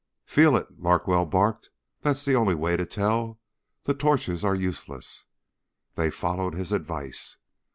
"Feel it," Larkwell barked, "that's the only way to tell. The torches are useless." They followed his advice.